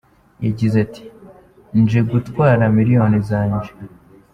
Yagize ati :"Nje gutwara miliyoni zanjye.